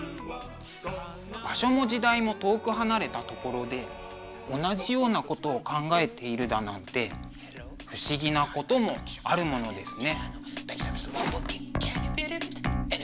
場所も時代も遠く離れたところで同じようなことを考えているだなんて不思議なこともあるものですね。